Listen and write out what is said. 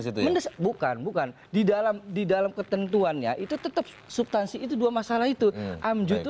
itu mendesak bukan bukan di dalam di dalam ketentuannya itu tetap subtansi itu dua masalah itu amju itu